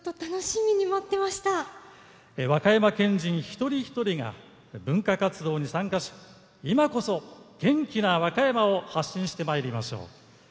和歌山県人一人一人が文化活動に参加し今こそ元気な和歌山を発信してまいりましょう。